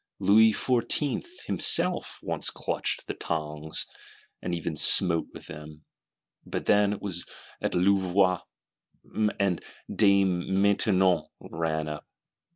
Louis Fourteenth himself once clutched the tongs, and even smote with them; but then it was at Louvois, and Dame Maintenon ran up.